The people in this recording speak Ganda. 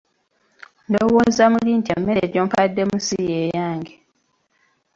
Ndowooza muli nti emmere gy'ompaddemu si ye yange.